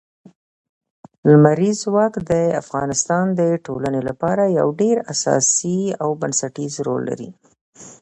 لمریز ځواک د افغانستان د ټولنې لپاره یو ډېر اساسي او بنسټيز رول لري.